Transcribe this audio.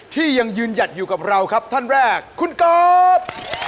ที่ยังยืนหยัดอยู่กับเราครับท่านแรกคุณก๊อฟ